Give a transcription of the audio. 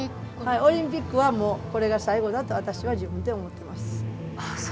オリンピックは本当に最後だと自分では思っています。